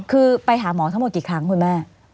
คือไปหาหมอทั้งหมดกี่ครั้งคุณแม่